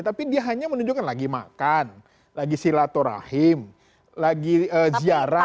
tapi dia hanya menunjukkan lagi makan lagi silaturahim lagi ziarah